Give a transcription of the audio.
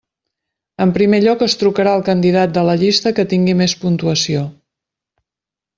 En primer lloc es trucarà al candidat de la llista que tingui més puntuació.